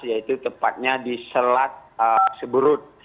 yaitu tepatnya di selat seberut